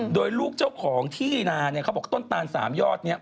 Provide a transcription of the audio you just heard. โดยลูกเจ้าของที่นาเนี่ยเขาบอกต้นตาน๓ยอดเนี่ย